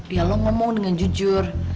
ya lo ngomong dengan jujur